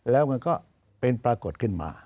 แล้วมันก็เป็นปรากฏขึ้นมา